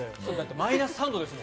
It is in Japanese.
マイナス３度ですもん。